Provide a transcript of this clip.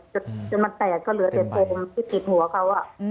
จนมันแตกก็เหลือแต่โครงที่ติดหัวเขา